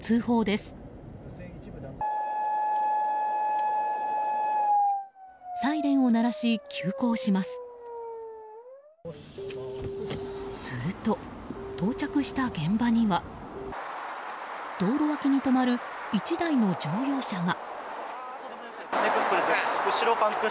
すると、到着した現場には道路脇に止まる１台の乗用車が。